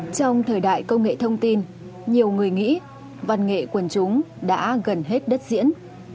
trong thời đại công nghệ thông tin nhiều người nghĩ văn nghệ quần chúng đã gần hết đất diễn